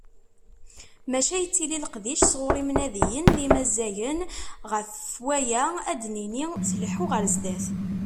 Maca yettili leqdic sɣur imnadiyen d yimazzagen, ɣef waya ad d-nini tleḥḥu ɣer sdat.